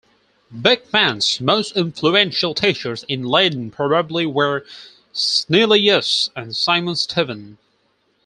Beeckman's most influential teachers in Leiden probably were Snellius and Simon Stevin.